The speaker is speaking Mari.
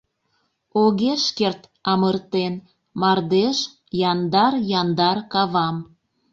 Огеш керт амыртен мардеж Яндар-яндар кавам.